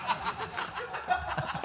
ハハハ